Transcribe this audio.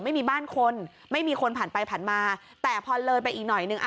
ไม่มีบ้านคนไม่มีคนผ่านไปผ่านมาแต่พอเลยไปอีกหน่อยหนึ่งอ่ะ